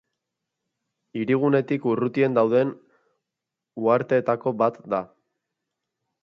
Hirigunetik urrutien dauden uharteetako bat da.